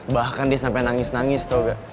bahkan dia sampai nangis nangis tau gak